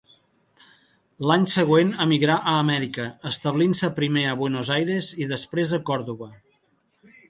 L'any següent emigrà a Amèrica, establint-se primer a Buenos Aires i després a Córdoba.